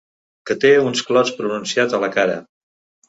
Que té uns clots pronunciats a la cara.